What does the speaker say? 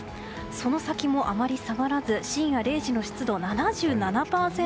その先もあまり下がらず深夜０時の湿度、７７％。